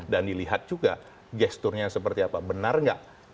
dan dilihat juga gesturnya seperti apa benar nggak